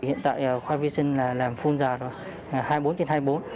hiện tại khoa vi sinh là làm full dào hai mươi bốn trên hai mươi bốn